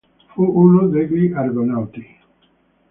Fu uno degli Argonauti.